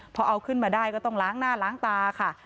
พอเอาขึ้นมาได้ก็ต้องล้างหน้าล้างตาค่ะ